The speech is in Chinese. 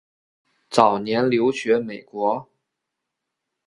早年留学美国。